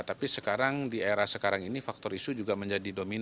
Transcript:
tapi sekarang di era sekarang ini faktor isu juga menjadi dominan